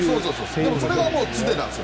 でも、それが常なんです。